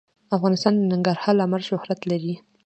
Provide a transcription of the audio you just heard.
افغانستان د ننګرهار له امله شهرت لري.